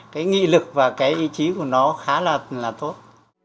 cái nghị lực và cái ý chí của nó khá là tốt